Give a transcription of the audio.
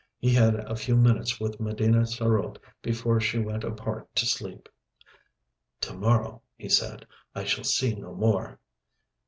He had a few minutes with Medina sarote before she went apart to sleep. "To morrow," he said, "I shall see no more."